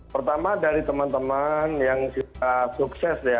pertama dari teman teman yang sudah sukses ya